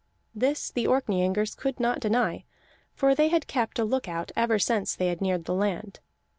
This the Orkneyingers could not deny, for they had kept a look out ever since they had neared the land.